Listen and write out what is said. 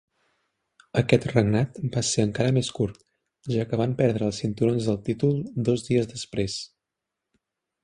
Aquest regnat va ser encara més curt, ja que van perdre els cinturons del títol dos dies després.